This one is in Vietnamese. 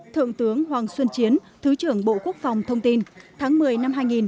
thượng tướng hoàng xuân chiến thứ trưởng bộ quốc phòng thông tin tháng một mươi năm hai nghìn